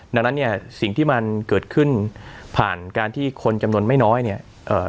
ดังนั้นเนี่ยสิ่งที่มันเกิดขึ้นผ่านการที่คนจำนวนไม่น้อยเนี่ยเอ่อ